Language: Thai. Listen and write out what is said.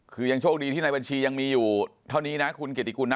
คือยังโชคดีที่ในบัญชียังมีอยู่เท่านี้นะคุณเกียรติกุลนะ